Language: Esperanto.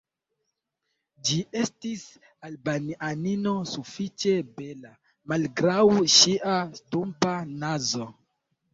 Ĝi estis Albanianino sufiĉe bela, malgraŭ ŝia stumpa nazo.